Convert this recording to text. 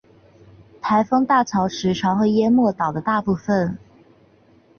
台风大潮时常会淹没岛的大部分。